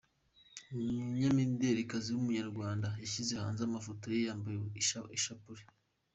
Umunyamiderikazi w’umunyarwanda yashyize hanze amafoto ye yambaye inshabure.